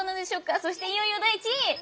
そしていよいよ第１位！